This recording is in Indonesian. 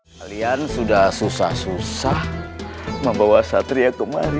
kalian sudah susah susah membawa satria kemarin